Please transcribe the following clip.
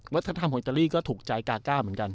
วัฒนธรรมของอิตาลีก็ถูกใจกาก้าเหมือนกัน